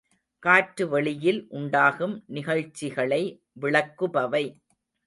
காற்றுவெளியில் உண்டாகும் நிகழ்ச்சிகளை விளக்குபவை.